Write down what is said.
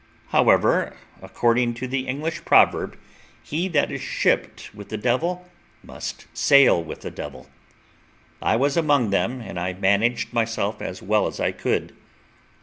However, according to the English proverb, he that is shipped with the devil must sail with the devil; I was among them, and I managed myself as well as I could.